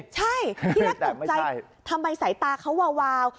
ใช่ที่แรกตกใจทำไมสายตาเขาวาว